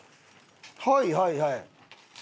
はいはいはい。